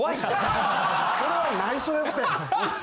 それは内緒ですって。